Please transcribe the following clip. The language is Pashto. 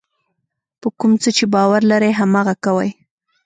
په کوم څه چې باور لرئ هماغه کوئ.